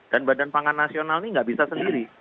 dan badan pangan nasional ini nggak bisa sendiri